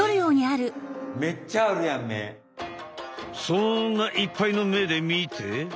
そんないっぱいの目で見て。